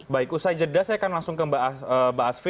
baik usai jeda saya akan langsung ke mbak asfi